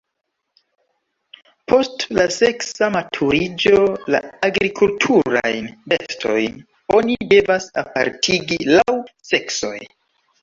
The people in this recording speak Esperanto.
Post la seksa maturiĝo la agrikulturajn bestojn oni devas apartigi laŭ seksoj.